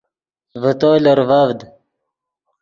ڤے تو لرڤڤد